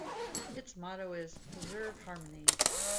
Its motto is "Preserve Harmony".